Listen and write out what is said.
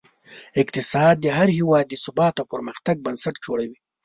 اقتصاد د هر هېواد د ثبات او پرمختګ بنسټ جوړوي.